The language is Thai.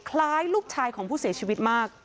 คล้ายลูกชายของผู้เสียชีวิตมาก